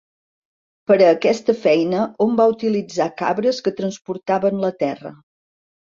Per a aquesta feina, hom va utilitzar cabres que transportaven la terra.